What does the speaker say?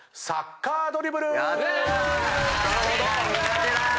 サッカードリブル